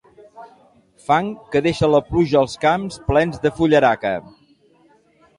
Fang que deixa la pluja als camps plens de fullaraca.